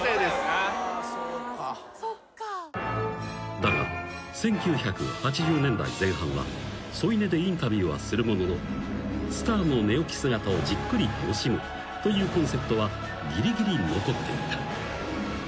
［だが１９８０年代前半は添い寝でインタビューはするもののスターの寝起き姿をじっくり楽しむというコンセプトはぎりぎり残っていた］